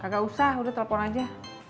gak usah udah telepon aja